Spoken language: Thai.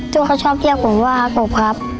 เขาชอบเรียกผมว่าอากบครับ